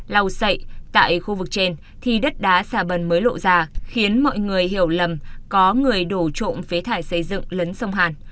lau sậy tại khu vực trên thì đất đá xà bần mới lộ ra khiến mọi người hiểu lầm có người đổ trộm phế thải xây dựng lấn sông hàn